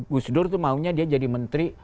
gus dur itu maunya dia jadi menteri